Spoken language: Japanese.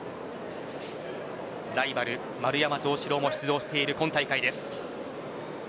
ライバル丸山城志郎も出場している今大会です。